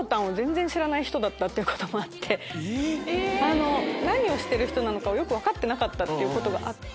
えっ⁉何をしてる人なのかよく分かってなかったことがあって。